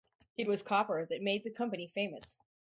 It was copper that made the company famous.